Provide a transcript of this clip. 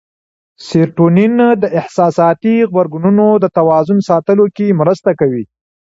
سېرټونین د احساساتي غبرګونونو د توازن ساتلو کې مرسته کوي.